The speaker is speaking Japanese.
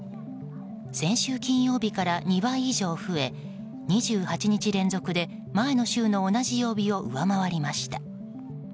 先週金曜日から２倍以上増え２８日連続で前の週の同じ曜日を上回りました。